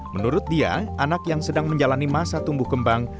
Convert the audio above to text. menurut dia anak yang sedang menjalani masa tumbuh kembang